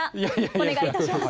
お願いいたします。